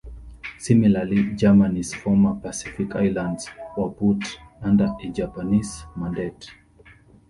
Similarly, Germany's former Pacific islands were put under a Japanese mandate.